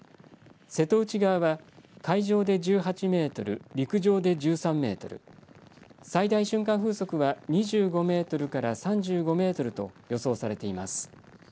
瀬戸内側は海上で１８メートル、陸上で１３メートル、最大瞬間風速は２５メートルから３５メートルと予想されています。